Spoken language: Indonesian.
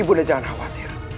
ibu nda jangan khawatir